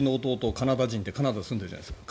カナダ人でカナダに住んでるじゃないですか。